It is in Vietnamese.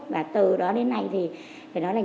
và từ đó đến nay thì phải nói là